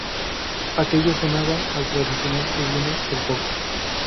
Aquello sonaba al tradicional que viene el coco